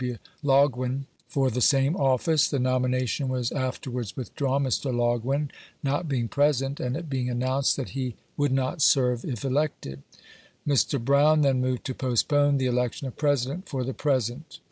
W. Loguen for the same office. The nomi nation was afterwards withdrawn, Mr. Loguen not being present, and it being announced that Le would not serve if elected. Mr. Brown then moved to postpone the. election of President for the present.